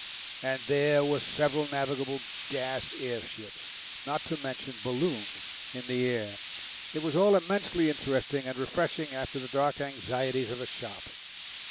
And there were several navigable gas air ships, not to mention balloons, in the air. It was all immensely interesting and refreshing after the dark anxieties of the shop.